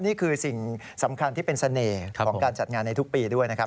นี่คือสิ่งสำคัญที่เป็นเสน่ห์ของการจัดงานในทุกปีด้วยนะครับ